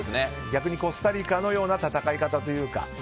逆にコスタリカのような戦い方というか。